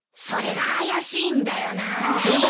それが怪しいんだよなあ。